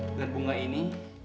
dengan bunga ini